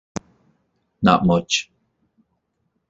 Not much.